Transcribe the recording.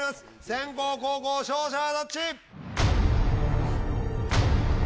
先攻・後攻勝者はどっち？